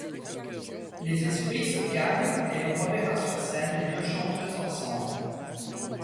Les esprits se calment et l’on reverra sur scène les deux chanteuses ensemble.